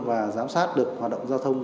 và giám sát được hoạt động giao thông